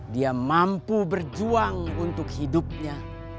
tetap berdiri di dunia